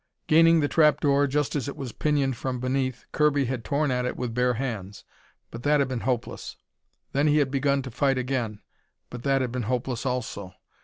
Gaining the trapdoor just as it was pinioned from beneath, Kirby had torn at it with bare hands. But that had been hopeless. Then he had begun to fight again. But that had been hopeless also.